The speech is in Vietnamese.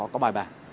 có bài bản